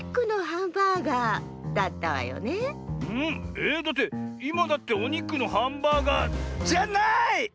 えっだっていまだっておにくのハンバーガーじゃない！